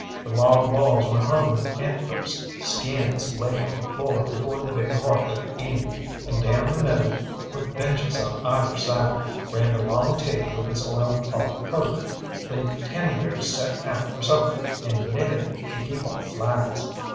The log walls were hung with antlers, skins lay on the floor before the big hearth at the end, and down the middle, with benches on either side, ran the long table with its oilcloth cover, the tinware set out for supper, and netting to keep off flies.